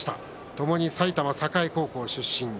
ともに埼玉栄高校出身。